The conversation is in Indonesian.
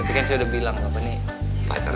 tapi kan saya udah bilang pak ini pacaran